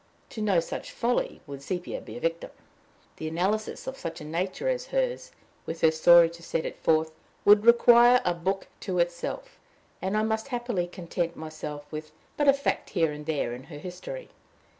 To no such folly would Sepia be a victim. The analysis of such a nature as hers, with her story to set it forth, would require a book to itself, and I must happily content myself with but a fact here and there in her history.